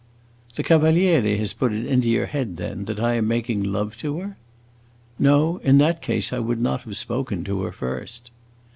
"The Cavaliere has put it into your head, then, that I am making love to her?" "No; in that case I would not have spoken to her first."